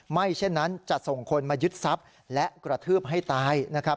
เช่นนั้นจะส่งคนมายึดทรัพย์และกระทืบให้ตายนะครับ